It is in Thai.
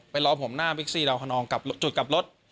ไปรอผมหน้าบิ๊กซีดาวคอนองกลับรถจุดกลับรถ